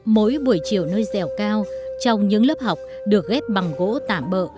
mỗi buổi chiều nơi dẻo cao trong những lớp học được ghép bằng gỗ tạm bỡ